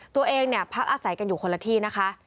ตัวเองพักอาศัยกันอยู่คนละที่นะคะ